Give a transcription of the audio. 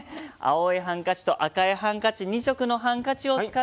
青いハンカチと赤いハンカチ２色のハンカチを使っていきます。